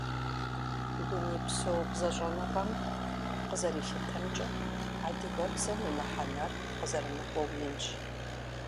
Дунейпсо бзэщӀэныгъэм къызэрилъытэмкӀэ, адыгэбзэм и мыхьэнэр къызэрымыкӀуэу инщ.